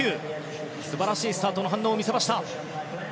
素晴らしいスタートの反応を見せました。